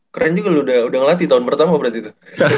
keren juga lu udah ngelatih tahun pertama berarti tuh